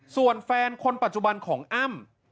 ส่วนแฟนคนปัจจุบันของอ้ำ